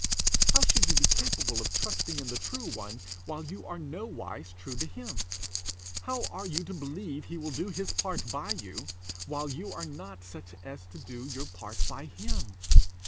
How should you be capable of trusting in the true one while you are nowise true to him? How are you to believe he will do his part by you, while you are not such as to do your part by him?